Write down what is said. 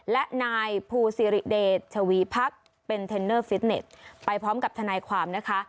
และนายภูซิริเดชชวีพักเป็นเทรนเนอร์ฟิตเน็ตไปพร้อมกับทนายความนะคะ